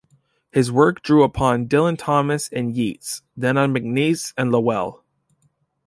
His work drew upon Dylan Thomas and Yeats; then on MacNeice and Lowell.